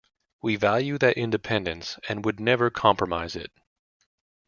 We value that independence and would never compromise it.